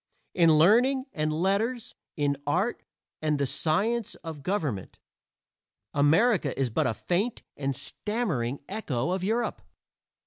In learning and letters, in art and the science of government, America is but a faint and stammering echo of Europe.